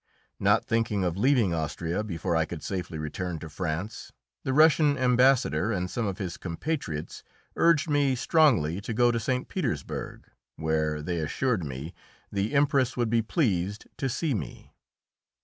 Not thinking of leaving Austria before I could safely return to France, the Russian Ambassador and some of his compatriots urged me strongly to go to St. Petersburg, where, they assured me, the Empress would be pleased to see me.